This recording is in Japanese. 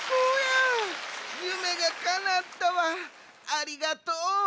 ありがとう。